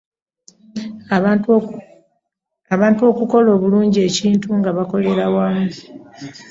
Abantu okukola bulungi ekintu nga bakolera wamu .